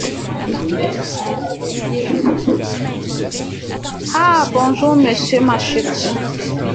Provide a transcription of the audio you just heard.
Ah ! bonjour, monsieur Machut.